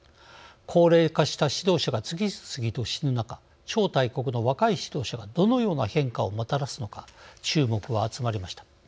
高齢化した指導者が次々と死ぬ中超大国の若い指導者がどのような変化をもたらすのか注目は集まりました。